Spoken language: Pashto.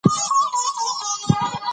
کله چې د خپل کور سپي درپسې وغپل